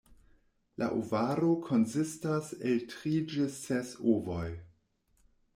La ovaro konsistas el tri ĝis ses ovoj.